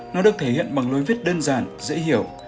nó được thể hiện bằng lối viết đơn giản dễ hiểu